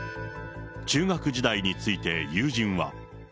中学時代について、友人は。